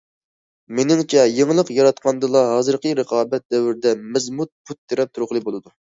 مېنىڭچە، يېڭىلىق ياراتقاندىلا ھازىرقى رىقابەت دەۋرىدە مەزمۇت پۇت تىرەپ تۇرغىلى بولىدۇ.